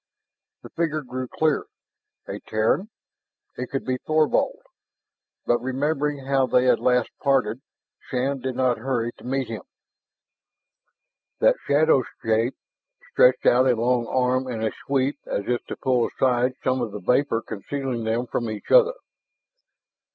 The figure grew clearer. A Terran! It could be Thorvald! But remembering how they had last parted, Shann did not hurry to meet him. That shadow shape stretched out a long arm in a sweep as if to pull aside some of the vapor concealing them from each other.